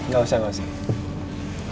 gak usah gak usah